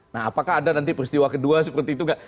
nah apakah ada nanti peristiwa kedua seperti itu gak